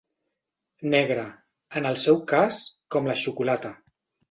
Negra, en el seu cas, com la xocolata.